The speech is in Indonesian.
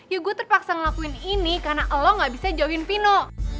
ya gue terpaksa ngelakuin ini karena lo gak bisa join pino